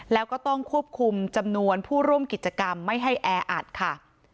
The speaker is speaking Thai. แล้วก็ต้องควบคุมจำนวนผู้ร่วมกิจกรรมไม่ให้แออัดค่ะ